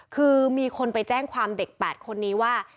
คือมีคนไปแจ้งความเด็ก๘คนนี้ว่า